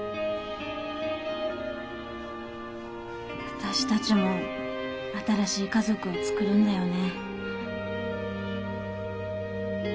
私たちも新しい家族をつくるんだよね。